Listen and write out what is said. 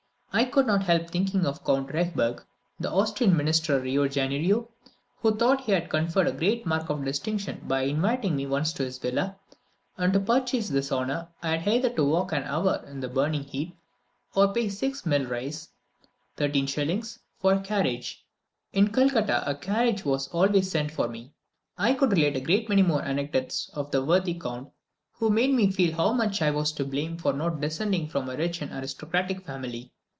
I could not help thinking of Count Rehberg, the Austrian minister at Rio Janeiro, who thought he had conferred a great mark of distinction by inviting me once to his villa; and, to purchase this honour, I had either to walk an hour in the burning heat or to pay six milreis (13s.) for a carriage. In Calcutta, a carriage was always sent for me. I could relate a great many more anecdotes of the worthy count, who made me feel how much I was to blame for not descending from a rich and aristocratic family.